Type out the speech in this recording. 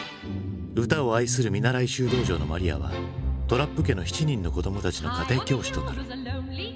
歌を愛する見習い修道女のマリアはトラップ家の７人の子供たちの家庭教師となる。